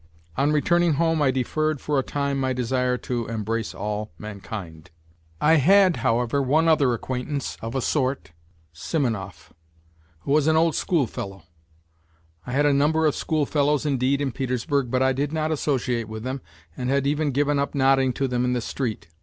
On returning home I deferred for a time my desire to embrace all mankind. 96 NOTES FROM UNDERGROUND I had however one other acquaintance of a sort, Simonov, who was an old schoolfellow. I had a number of schoolfellows indeed in Petersburg, but I did not associate with them and had even given up nodding to them in the street.